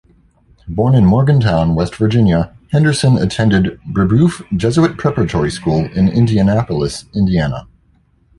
Born in Morgantown, West Virginia, Henderson attended Brebeuf Jesuit Preparatory School in Indianapolis, Indiana.